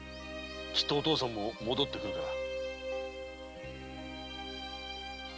きっとお父さんも戻ってくるから。